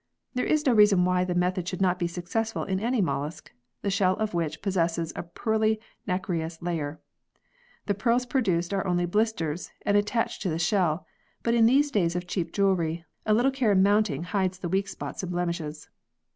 There is no reason why the method should not be successful in any mollusc, the shell of which possesses a pearly nacreous layer. The pearls pro duced are only blisters and attached to the shell, but in these days of cheap jewellery, a little care in mounting hides the weak spots and blemishes.